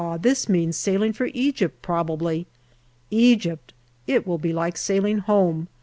this means sailing for Egypt, probably. Egypt ! It will be like sailing home.